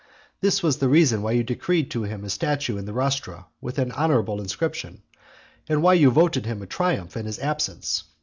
This was the reason why you decreed to him a statue in the rostra with an honourable inscription, and why you voted him a triumph in his absence.